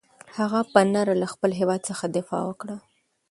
هغه په نره له خپل هېواد څخه دفاع وکړه.